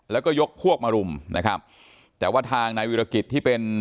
แล้วก็ยกพวกมารุมนะครับแต่ว่าทางนายวิรกิจที่เป็น